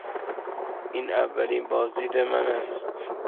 این اولین بازدید من است.